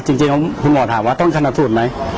จริงคุณหมอถามว่าต้องชนะสูตรไหม